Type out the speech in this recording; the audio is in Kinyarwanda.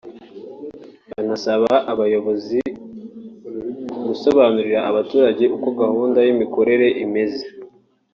banasaba aba bayobozi gusobanurira abaturage uko gahunda y’imikorere imeze